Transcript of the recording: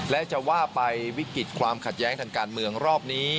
และจะว่าไปวิกฤตความขัดแย้งทางการเมืองรอบนี้